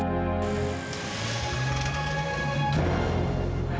kau bisa melihat